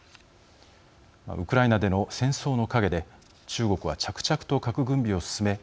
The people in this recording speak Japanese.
ウクライナでの戦争の影で中国は着々と核軍備を進め